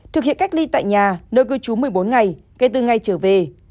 thực hiện cách ly tại nhà nơi cư trú một mươi bốn ngày kể từ ngày trở về